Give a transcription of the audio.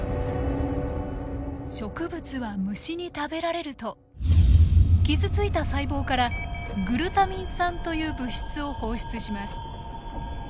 植物は虫に食べられると傷ついた細胞からグルタミン酸という物質を放出します。